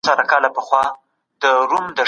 لوستې مور د ناروغۍ پر مهال مناسب ؛خواړه ورکوي.